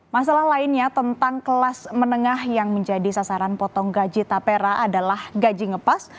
masalah lainnya tentang kelas menengah yang menjadi sasaran potong gaji tapera adalah gaji ngepas